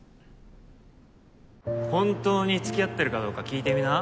本当に付き合ってるかどうか聞いてみな